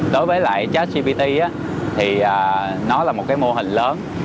đối với lại checklist gpt thì nó là một mô hình lớn